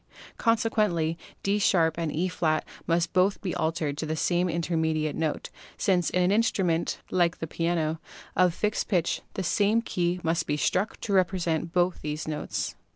Consequently D # and E^ must both be altered to some intermediate note, since in an instrument (like the piano) of fixed pitch the same key must be struck to repre sent both these notes.